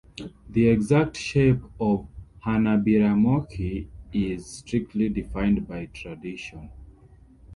The exact shape of "hanabiramochi" is strictly defined by tradition.